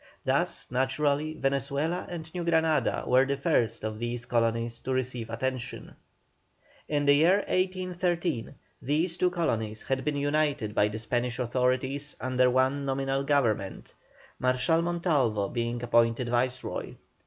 Thus, naturally, Venezuela and New Granada were the first of these colonies to receive attention. In the year 1813 these two colonies had been united by the Spanish authorities under one nominal government, Marshal Montalvo being appointed Viceroy.